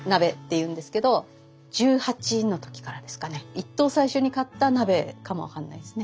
一等最初に買った鍋かもわかんないですね。